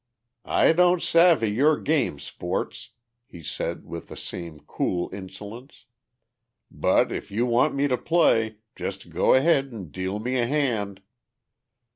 "I don't savvy your game, sports," he said with the same cool insolence. "But if you want me to play just go ahead and deal me a hand."